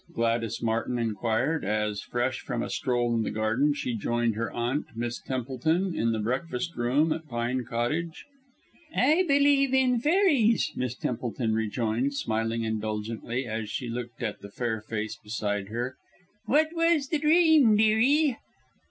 Gladys Martin inquired, as, fresh from a stroll in the garden, she joined her aunt, Miss Templeton, in the breakfast room at Pine Cottage. "I believe in fairies," Miss Templeton rejoined, smiling indulgently as she looked at the fair face beside her. "What was the dream, dearie?"